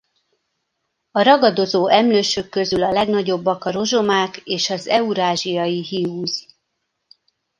A ragadozó emlősök közül a legnagyobbak a rozsomák és az eurázsiai hiúz.